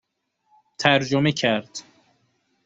ترجمه کرد